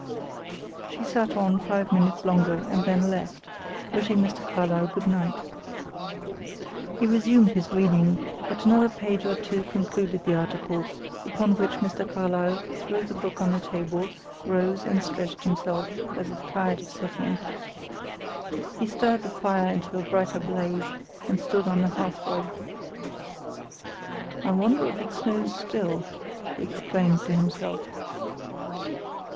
She sat on five minutes longer, and then left, wishing Mr. Carlyle good night. He resumed his reading; but another page or two concluded the article, upon which Mr. Carlyle threw the book on the table, rose and stretched himself, as if tired of sitting. He stirred the fire into a brighter blaze, and stood on the hearthrug. "I wonder if it snows still?" he exclaimed to himself.